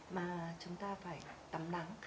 mà chúng ta phải tắm nắng